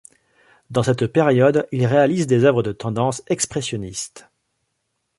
Dans cette période, il réalise des œuvres de tendance expressionniste.